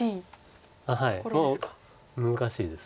もう難しいです。